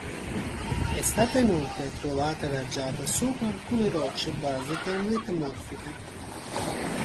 È stata inoltre trovata adagiata sopra alcune rocce basiche metamorfiche.